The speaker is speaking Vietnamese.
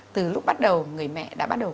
từ lúc bắt đầu người mẹ đã bắt đầu